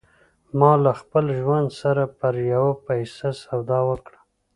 ما له خپل ژوند سره پر يوه پيسه سودا وکړه.